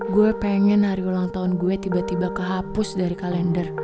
gue pengen hari ulang tahun gue tiba tiba kehapus dari kalender